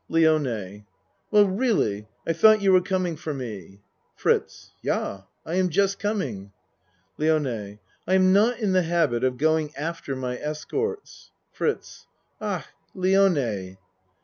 LIONE Well really, I tho't you were coming for me. FRITZ Yah I am just coming. LIONE I am not in the habit of going after my escorts. FRITZ Ach Lione.